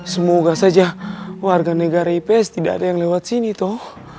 semoga saja warga negara ips tidak ada yang lewat sini toh